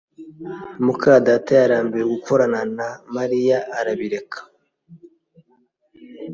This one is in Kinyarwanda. muka data yarambiwe gukorana na Mariya arabireka